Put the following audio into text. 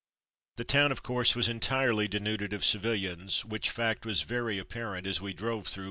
The town, of course, was entirely denuded of civilians, which fact was very apparent as we drove through its deserted streets.